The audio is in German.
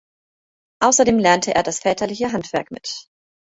Außerdem lernte er das väterliche Handwerk mit.